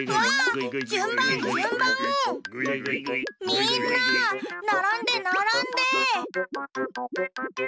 みんなならんでならんで。